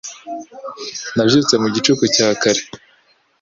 Nabyutse mu gicuku cya kare.